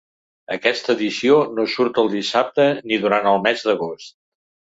Aquesta edició no surt el dissabte ni durant el mes d’agost.